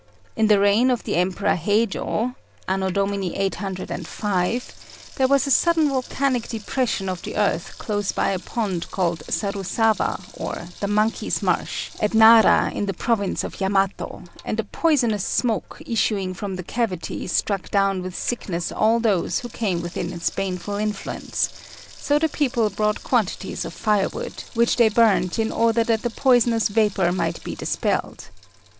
In the reign of the Emperor Heijô (A.D. 805), there was a sudden volcanic depression of the earth close by a pond called Sarusawa, or the Monkey's Marsh, at Nara, in the province of Yamato, and a poisonous smoke issuing from the cavity struck down with sickness all those who came within its baneful influence; so the people brought quantities of firewood, which they burnt in order that the poisonous vapour might be dispelled.